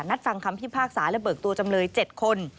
ฟังคำพิพากษาและเบิกตัวจำเลย๗คน